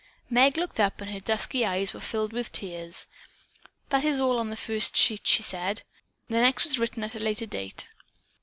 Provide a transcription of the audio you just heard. '" Meg looked up and her dusky eyes were filled with tears. "That is all on the first sheet," she said. "The next was written at a later date."